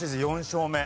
４勝目。